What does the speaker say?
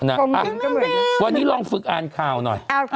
วันนี้ลองฝึกอ่านข่าวหน่อย